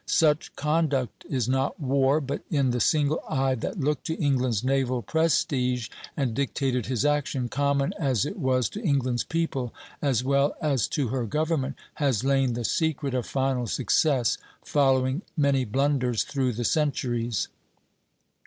Such conduct is not war; but in the single eye that looked to England's naval prestige and dictated his action, common as it was to England's people as well as to her government, has lain the secret of final success following many blunders through the centuries.